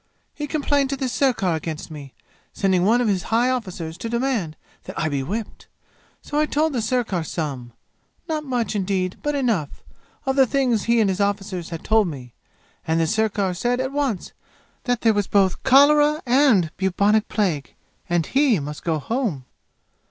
"He complained to the sirkar against me, sending one of his high officers to demand that I be whipped. So I told the sirkar some not much, indeed, but enough of the things he and his officers had told me. And the sirkar said at once that there was both cholera and bubonic plague, and he must go home!